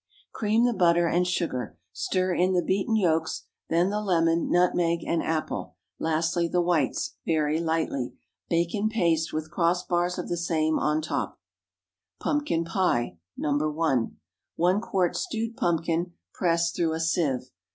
Cream the butter and sugar, stir in the beaten yolks, then the lemon, nutmeg, and apple; lastly the whites, very lightly. Bake in paste, with cross bars of the same on top. PUMPKIN PIE (No. 1.) ✠ 1 quart stewed pumpkin—pressed through a sieve.